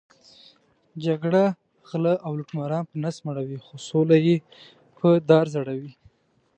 جګړه غله او لوټماران په نس مړوي، خو سوله یې په دار ځړوي.